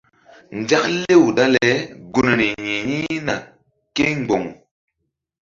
Nzaklew dale gunri yi̧h yi̧hna kémboŋ.